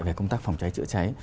về công tác phòng cháy chữa cháy